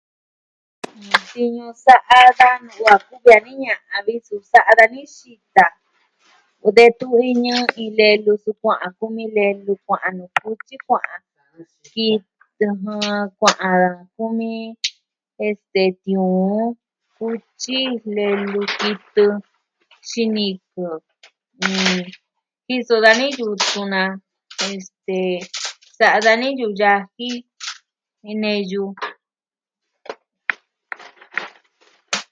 Tiñu sa'a da nu'u a kuvi dani ña'an, suu sa'a dani vi xita. Detun iñɨ iin lelu sukua'an kumi lelu kua'an nuu kutyi kua'an, kua'an kumi... este tiuun, kutyi, lelu, kitɨ xinikɨ. Jiso dani yutun na, este... sa'a dani yu'u yaji je neyu.